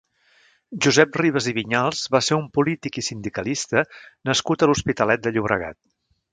Josep Ribas i Vinyals va ser un polític i sindicalista nascut a l'Hospitalet de Llobregat.